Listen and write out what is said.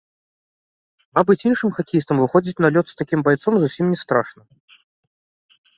Мабыць, іншым хакеістам выходзіць на лёд з такім байцом зусім не страшна.